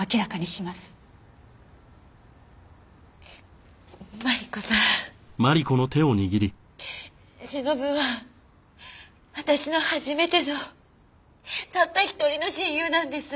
しのぶは私の初めてのたった一人の親友なんです。